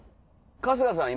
春日さん